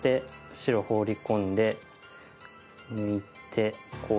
白ホウリ込んで抜いてこうやって。